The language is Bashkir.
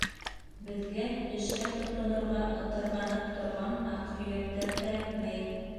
Беҙгә эшкә тотонорға ытырғанып торған аҡһөйәктәр кәрәкмәй.